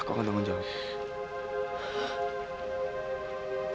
aku akan tangan jawab